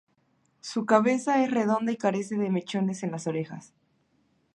Su cabeza es redonda y carece de mechones en las orejas.